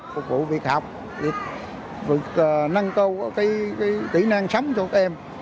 của cuộc việc học để nâng cầu kỹ năng sống cho tụi em